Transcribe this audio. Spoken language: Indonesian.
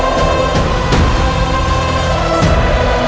itu untuk apa